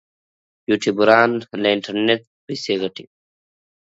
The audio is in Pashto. یوټیوبران له انټرنیټ پیسې ګټي